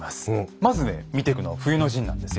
まずね見てくのは冬の陣なんですよ。